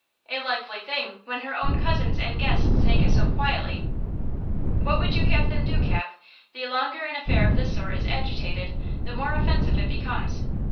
"A likely thing, when her own cousins and guests take it so quietly." "What would you have them do, Cap? The longer an affair of this sort is agitated, the more offensive it becomes!